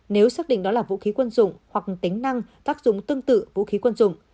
nếu xác định đó là vũ khí quân dụng hoặc tính năng tác dụng tương tự vũ khí quân dụng